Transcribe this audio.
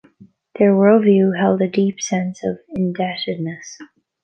Their worldview held a deep sense of indebtedness.